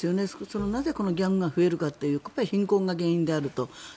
なぜ、ギャングが増えるかというのは貧困が原因であると。